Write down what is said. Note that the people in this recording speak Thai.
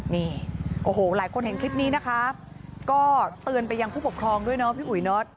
นี่โอ้โหหลายคนเห็นคลิปนี้นะคะก็เตือนไปยังผู้ปกครองด้วยเนาะพี่อุ๋ยเนอะ